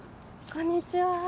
こんにちは。